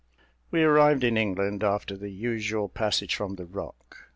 We arrived in England after the usual passage from the Rock.